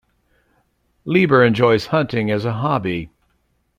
Lieber enjoys hunting as a hobby.